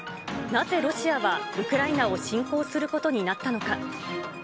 なぜロシアはウクライナを侵攻することになったのか。